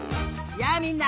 やあみんな！